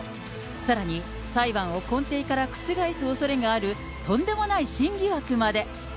さらに裁判を根底から覆すおそれがあるとんでもない新疑惑まで。